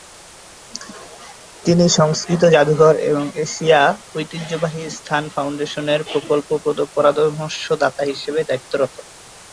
তিনি সংস্কৃত জাদুঘর এবং এশিয়া ঐতিহ্যবাহী স্থান ফাউন্ডেশনের প্রকল্প পরামর্শদাতা হিসেবে দায়িত্বরত।